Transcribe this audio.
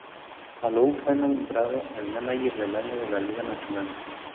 Alou fue nombrado el mánager del año de la Liga Nacional.